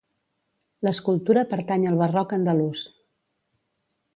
L'escultura pertany al barroc andalús.